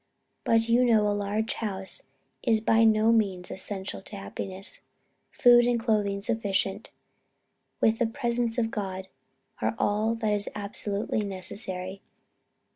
But you know a large house is by no means essential to happiness. Food and clothing sufficient, with the presence of God, are all that is absolutely necessary.